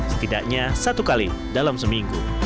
setidaknya satu kali dalam seminggu